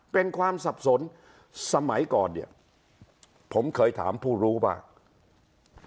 เป็นความสับสนสมัยก่อนเนี่ยผมเคยถามผู้รู้บ้าง